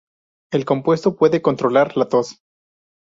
El compuesto puede controlar la tos.